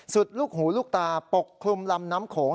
ลูกหูลูกตาปกคลุมลำน้ำโขง